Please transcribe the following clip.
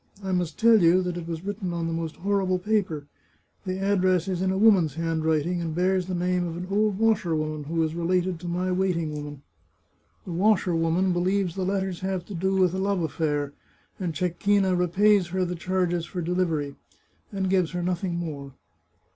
I must tell you that it was written on the most horrible paper; the address is in a woman's handwriting, and bears the name of an old washerwoman who is related to my waiting maid. The washerwoman believes the letters have to do with a love affair, and Cecchina repays her the charges for delivery, and gives her nothing more."